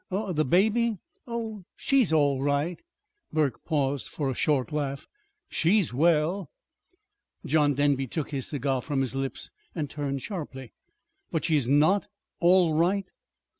"Eh? The baby? Oh, she she's all right. That is" Burke paused for a short laugh "she's well." John Denby took his cigar from his lips and turned sharply. "But she's not all right?"